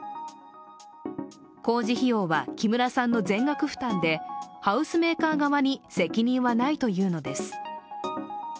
工事費用は木村さんの全額負担でハウスメーカー側に責任はないというのです。